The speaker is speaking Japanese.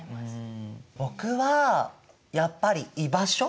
僕はやっぱり居場所。